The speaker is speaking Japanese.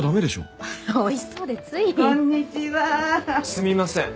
すみません。